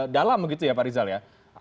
dalam begitu ya pak rizal ya